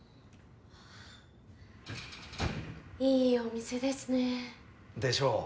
いいお店ですね。でしょう？